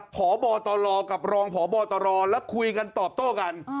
พบตรกับรองพบตรแล้วคุยกันตอบโต้กัน